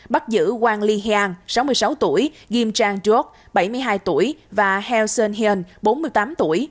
bắt giữ quang ly heang sáu mươi sáu tuổi gim chang jok bảy mươi hai tuổi và heo sun hyun bốn mươi tám tuổi